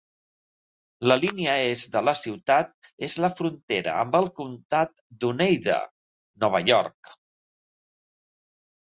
La línia est de la ciutat és la frontera amb el comtat d'Oneida, Nova York.